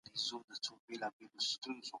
نه پوهېږم پر دې لاره